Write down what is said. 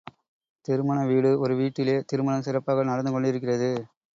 திருமண வீடு ஒரு வீட்டிலே திருமணம் சிறப்பாக நடந்து கொண்டிருக்கிறது.